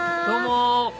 どうも！